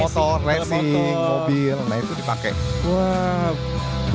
motor racing mobil nah itu dipakai